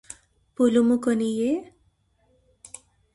పులుముకొనియె